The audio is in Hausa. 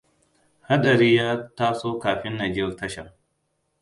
Hadari ya taso kafin na je tasha.